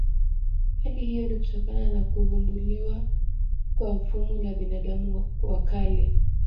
Hali hiyo ni kutokana na kuvumbuliwa kwa fuvu la binadamu wa kale